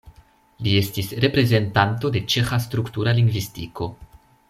Li estis reprezentanto de ĉeĥa struktura lingvistiko.